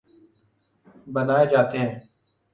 بنائے جاتے ہیں